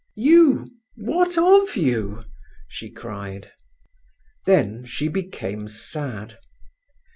"You—what of you?" she cried. Then she became sad.